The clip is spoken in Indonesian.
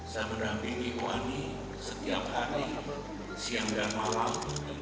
saya menampingi ibu ani setiap hari siang dan malam